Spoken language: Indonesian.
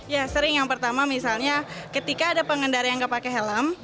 ya sering yang pertama misalnya ketika ada pengendara yang nggak pakai helm